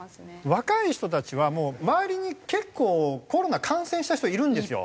若い人たちはもう周りに結構コロナ感染した人いるんですよ。